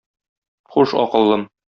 Хуш, акыллым!